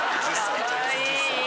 かわいい！